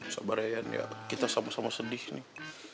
sabar yayan ya kita sama sama sedih nih